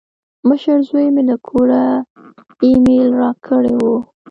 مشر زوی مې له کوره ایمیل راکړی و.